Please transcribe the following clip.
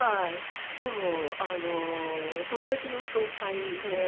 でも友達の紹介で。